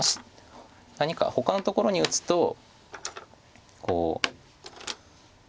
何かほかのところに打つとこう。